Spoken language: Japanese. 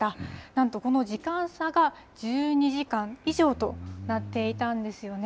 なんとこの時間差が、１２時間以上となっていたんですよね。